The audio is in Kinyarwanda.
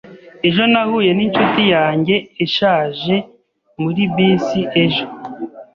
Ejo nahuye ninshuti yanjye ishaje muri bisi ejo